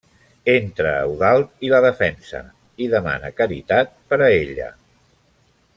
Entra Eudald i la defensa i demana caritat per a ella.